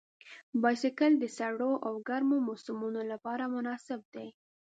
بایسکل د سړو او ګرمو موسمونو لپاره مناسب دی.